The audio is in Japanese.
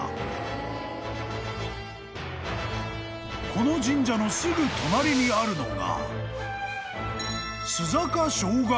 ［この神社のすぐ隣にあるのが］